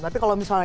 tapi kalau misalnya